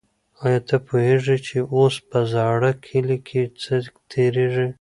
آیا ته پوهېږې چې اوس په زاړه کلي کې څه تېرېږي؟